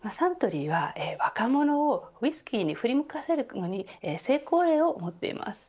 サントリーは若者をウイスキーに振り向かせることに成功例を持っています。